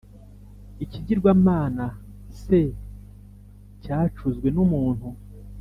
Ikigirwamana se? Cyacuzwe n’umuntu !